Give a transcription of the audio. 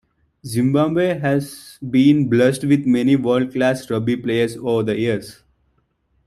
Zimbabwe has been blessed with many world-class rugby players over the years.